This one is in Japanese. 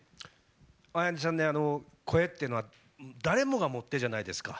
綾音さん、声っていうのは誰もが持ってるじゃないですか。